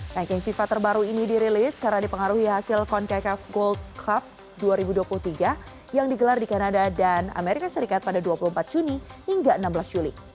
ranking fifa terbaru ini dirilis karena dipengaruhi hasil concake off world cup dua ribu dua puluh tiga yang digelar di kanada dan amerika serikat pada dua puluh empat juni hingga enam belas juli